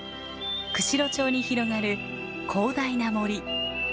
釧路町に広がる広大な森。